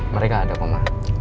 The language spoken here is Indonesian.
mereka ada kok mak